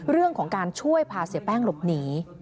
เรื่องของการช่วยพาเสียแป้งหลบหนี